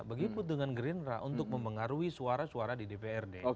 begitu dengan gerindra untuk mempengaruhi suara suara di dprd